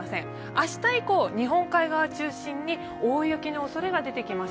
明日以降、日本海側を中心に大雪のおそれが出てきます。